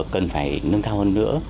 cần phải nâng cao hơn nữa